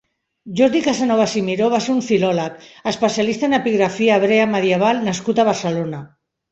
Jordi Casanovas i Miró va ser un filòleg, especialista en epigrafia hebrea medieval nascut a Barcelona.